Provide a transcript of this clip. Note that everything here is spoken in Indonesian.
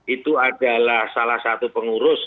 itu adalah salah satu pengurus